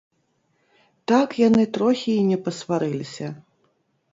Так яны трохі й не пасварыліся.